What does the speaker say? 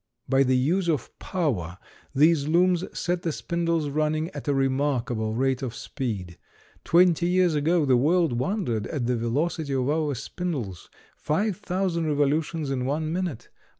By the use of power these looms set the spindles running at a remarkable rate of speed. Twenty years ago the world wondered at the velocity of our spindles, 5,000 revolutions in one minute.